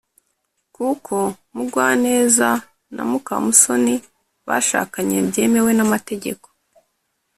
kuko mugwaneza na mukamusoni bashakanye byemewe n’amategeko,